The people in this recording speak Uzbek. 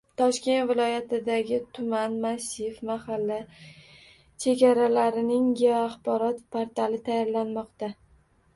Toshkent viloyatidagi tuman, massiv va mahalla chegaralarining geoaxborot portali tayyorlanmoqda